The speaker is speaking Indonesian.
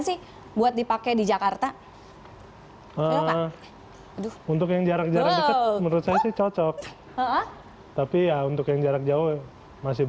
sih buat dipakai di jakarta untuk yang jarak jarak dekat menurut saya sih cocok tapi ya untuk yang jarak jauh masih